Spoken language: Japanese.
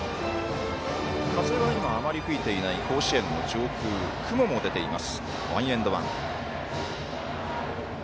風はあまり吹いていない甲子園の上空、雲も出ています。